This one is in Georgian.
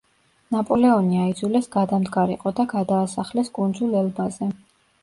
ნაპოლეონი აიძულეს გადამდგარიყო და გადაასახლეს კუნძულ ელბაზე.